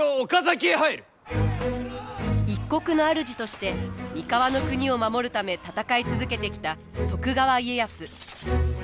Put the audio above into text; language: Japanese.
一国の主として三河国を守るため戦い続けてきた徳川家康。